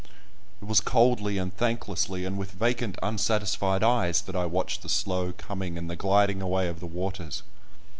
It was coldly and thanklessly, and with vacant, unsatisfied eyes that I watched the slow coming and the gliding away of the waters.